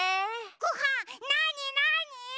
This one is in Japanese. ごはんなになに？